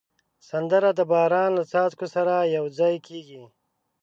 سندره د باران له څاڅکو سره یو ځای کېږي